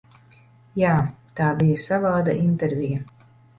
Jā, tā bija savāda intervija.